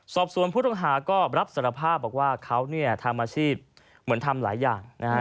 สอบสวนผู้ต้องหาก็รับสารภาพบอกว่าเขาเนี่ยทำอาชีพเหมือนทำหลายอย่างนะฮะ